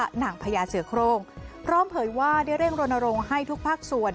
หนังพญาเสือโครงพร้อมเผยว่าได้เร่งรณรงค์ให้ทุกภาคส่วน